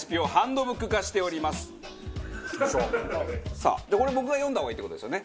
さあでこれ僕が読んだ方がいいって事ですよね。